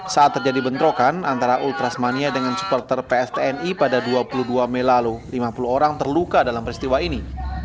saat terjadi bentrokan antara ultrasmania dengan supporter pstni pada dua puluh dua mei lalu lima puluh orang terluka dalam peristiwa ini